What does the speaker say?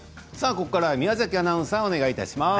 ここからは宮崎アナウンサーお願いします。